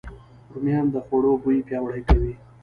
رومیان د خوړو بوی پیاوړی کوي